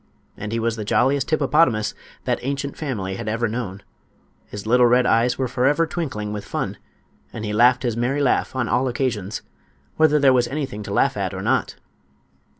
And he was the jolliest hippopotamus that ancient family had ever known. His little red eyes were forever twinkling with fun, and he laughed his merry laugh on all occasions, whether there was anything to laugh at or not.